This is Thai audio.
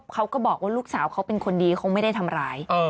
เขาก็บอกว่าลูกสาวเขาเป็นคนดีเขาไม่ได้ทำร้าย